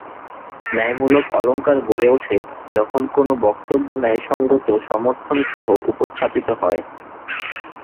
ন্যায়মূলক অলঙ্কার গড়ে ওঠে যখন কোনো বক্তব্য ন্যায়সঙ্গত সমর্থনসহ উপস্থাপিত হয়।